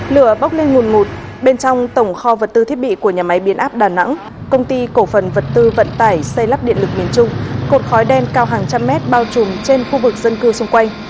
lửa bốc lên nguồn ngụt bên trong tổng kho vật tư thiết bị của nhà máy biến áp đà nẵng công ty cổ phần vật tư vận tải xây lắp điện lực miền trung cột khói đen cao hàng trăm mét bao trùm trên khu vực dân cư xung quanh